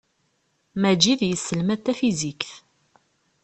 Maǧid yesselmad tafizikt.